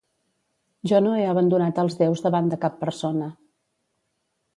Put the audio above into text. Jo no he abandonat als déus davant de cap persona.